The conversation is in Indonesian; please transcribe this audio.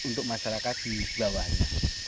untuk masyarakat di sana